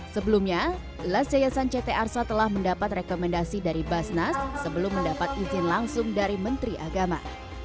sebelumnya las yayasan ct arsa telah mendapat rekomendasi dari basnas sebelum mendapat izin langsung dari menteri agama